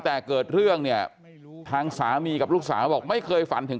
แต่เกิดเรื่องเนี่ยทางสามีกับลูกสาวบอกไม่เคยฝันถึง